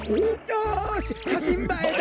よししゃしんばえだ！